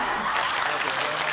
ありがとうございます。